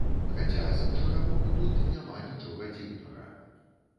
Хаця, з іншага боку, тут няма нічога дзіўнага.